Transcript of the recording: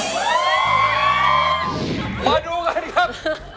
มาดูกันครับ